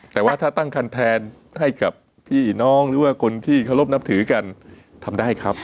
แต่ว่าถ้าตั้งคันแทนให้กับพี่น้องหรือว่าคนที่เคารพนับถือกันทำได้ครับ